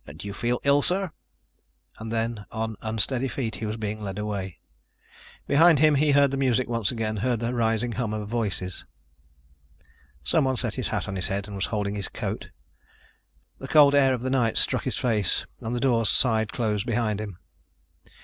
"Do you feel ill, sir?" And then, on unsteady feet, he was being led away. Behind him he heard the music once again, heard the rising hum of voices. Someone set his hat on his head, was holding his coat. The cold air of the night struck his face and the doors sighed closed behind him.